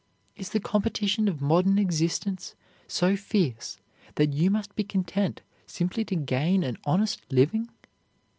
Is the competition of modern existence so fierce that you must be content simply to gain an honest living?